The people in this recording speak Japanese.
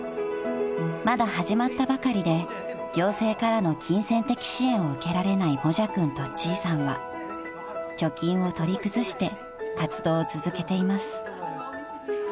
［まだ始まったばかりで行政からの金銭的支援を受けられないもじゃくんとちーさんは貯金を取り崩して活動を続けています］